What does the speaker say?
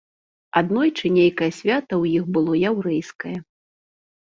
Аднойчы нейкае свята ў іх было яўрэйскае.